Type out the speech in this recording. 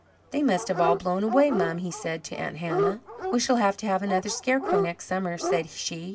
"They must have all blown away, mum," he said to Aunt Hannah. "We shall have to have another scarecrow next summer," said she.